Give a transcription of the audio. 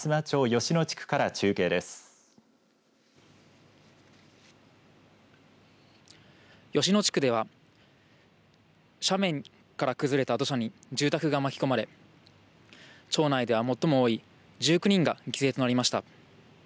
吉野地区では斜面から崩れた土砂に住宅が巻き込まれ町内では最も多い１９人が犠牲となりました。